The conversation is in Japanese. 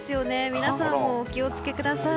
皆さんもお気を付けください。